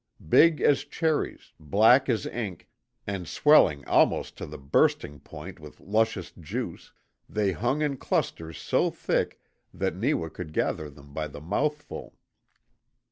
Big as cherries, black as ink, and swelling almost to the bursting point with luscious juice, they hung in clusters so thick that Neewa could gather them by the mouthful.